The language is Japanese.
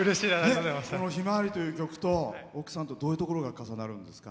「ひまわり」という曲と奥さん、どういうところが重なるんですか？